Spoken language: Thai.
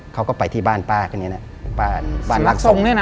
เขาก็ไปที่บ้านป้าคนนี้บ้านรักทรง